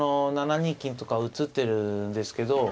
７二金とか映ってるんですけど。